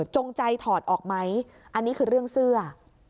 จงใจถอดออกไหมอันนี้คือเรื่องเสื้อ